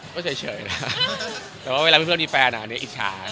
ก็เฉยนะแต่ว่าเวลาเพื่อนมีแฟนอันนี้อิจฉา